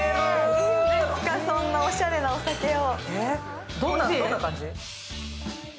いいんです、そんなおしゃれなお酒を。